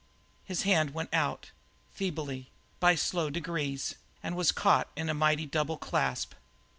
His hand went out, feebly, by slow degrees, and was caught in a mighty double clasp.